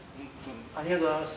ありがとうございます。